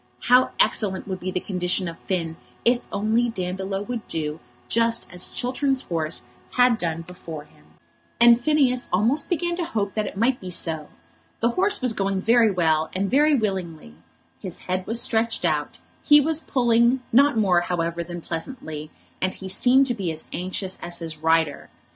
How excellent would be the condition of Finn if only Dandolo would do just as Chiltern's horse had done before him! And Phineas almost began to hope that it might be so. The horse was going very well, and very willingly. His head was stretched out, he was pulling, not more, however, than pleasantly, and he seemed to be as anxious as his rider.